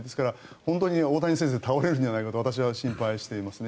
本当に大谷先生は倒れるんじゃないかと私は心配していますね。